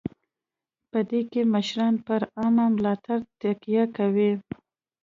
په دې کې مشران پر عامه ملاتړ تکیه کوي.